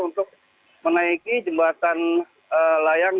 untuk menaiki jembatan layang